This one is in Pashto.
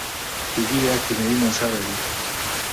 طبي یا کیمیاوي منشأ لري.